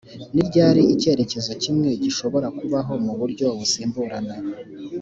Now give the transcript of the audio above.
ni ryari icyerekezo kimwe gishobora kubaho muburyo busimburana